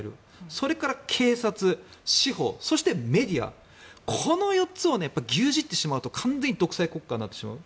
それから、警察、司法そして、メディアこの４つを牛耳ってしまうと完全に独裁国家になってしまう。